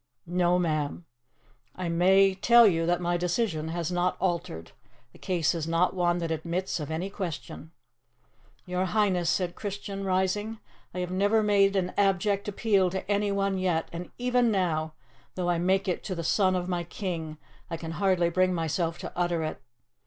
"No, ma'am. I may tell you that my decision has not altered. The case is not one that admits of any question." "Your Highness," said Christian, rising, "I have never made an abject appeal to anyone yet, and even now, though I make it to the son of my king, I can hardly bring myself to utter it.